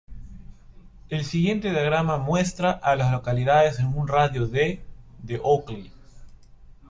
El siguiente diagrama muestra a las localidades en un radio de de Oakley.